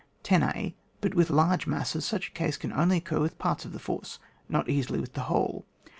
10a. But with large masses, such a case can only occur with parts of the force not easUy with the whole.